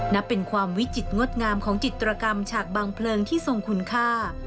นับเป็นความวิจิตรงดงามของจิตรกรรมฉากบางเพลิงที่ทรงคุณค่า